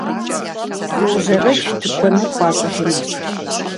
Еужьэрэкӏ, тыкуэныр хуащӏыжынущ!